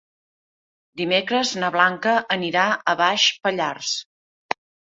Dimecres na Blanca anirà a Baix Pallars.